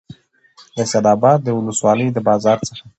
د سیدآباد د ولسوالۍ د بازار څخه